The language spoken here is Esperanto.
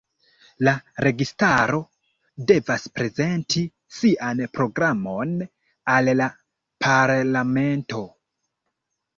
La registaro devas prezenti sian programon al la parlamento.